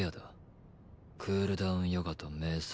クールダウンヨガと瞑想。